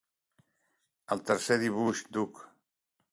El tercer dibuix, Duck!